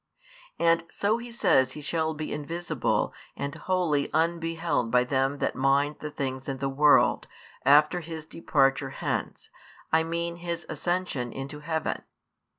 And so He says He shall be invisible and wholly unbeheld by them that mind the |309 things in the world, after His Departure hence, I mean His Ascension into heaven.